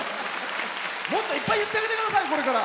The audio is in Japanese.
もっといっぱい言ってあげてください。